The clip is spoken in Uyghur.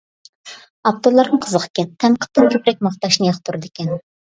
ئاپتورلارمۇ قىزىقكەن، تەنقىدتىن كۆپرەك ماختاشنى ياقتۇرىدىكەن.